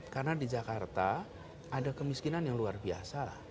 karena di jakarta ada kemiskinan yang luar biasa